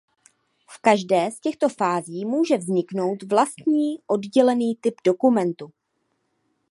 V každé z těchto fází může vzniknout vlastní oddělený typ dokumentu.